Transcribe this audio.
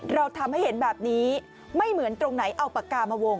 เราทำให้เห็นแบบนี้ไม่เหมือนตรงไหนเอาปากกามาวง